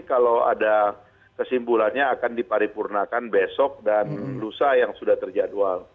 kalau ada kesimpulannya akan diparipurnakan besok dan lusa yang sudah terjadwal